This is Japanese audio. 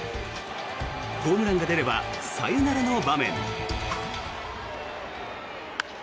ホームランが出ればサヨナラの場面。